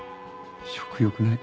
食欲ない。